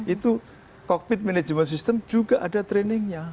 itu cockpit manajemen sistem juga ada trainingnya